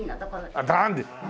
ああダンディ！